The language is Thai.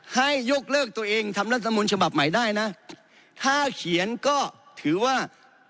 ให้ยกเลิกตัวเองทำรัฐมนต์ฉบับใหม่ได้นะถ้าเขียนก็ถือว่า